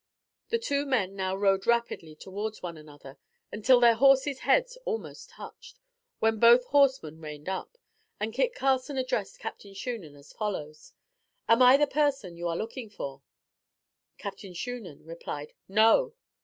The two men now rode rapidly towards one another, until their horses' heads almost touched, when both horsemen reined up, and Kit Carson addressed Captain Shunan as follows: "Am I the person you are looking for?" Captain Shunan replied, "No!"